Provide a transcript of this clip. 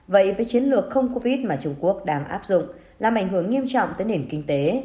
vậy với chiến lược không covid mà trung quốc đang áp dụng làm ảnh hưởng nghiêm trọng tới nền kinh tế